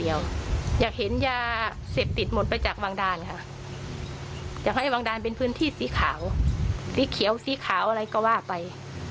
อยากให้วังดานเป็นพื้นที่สีขาวสีเขียวสีขาวอะไรก็ว่าไป